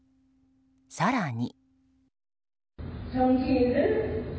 更に。